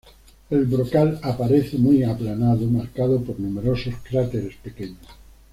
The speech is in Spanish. El brocal aparece muy aplanado, marcado por numerosos cráteres pequeños.